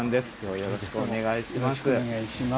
よろしくお願いします。